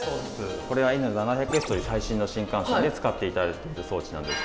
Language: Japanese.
これはＮ７００Ｓという最新の新幹線で使っていただいている装置なんです。